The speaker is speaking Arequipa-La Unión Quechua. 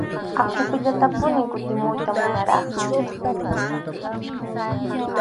Aqupiyatapunim kutimuyta munarqani.